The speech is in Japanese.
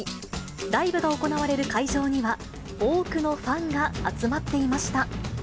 ライブが行われる会場には、多くのファンが集まっていました。